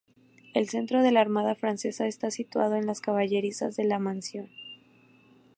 El centro de la armada francesa está situado en las caballerizas de la mansión.